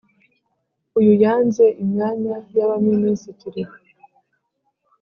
uyu yanze imyanya y’ abaminisitiri